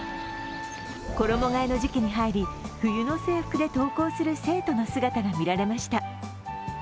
衣がえの時期に入り、冬の制服で登校する生徒の姿が見られました。